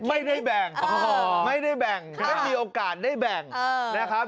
ไม่ได้แบ่งไม่ได้แบ่งไม่มีโอกาสได้แบ่งนะครับ